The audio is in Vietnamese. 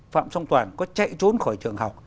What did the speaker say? phạm song toàn có chạy trốn khỏi trường học